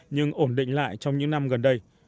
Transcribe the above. nhưng ổn định lại trong những năm gần đây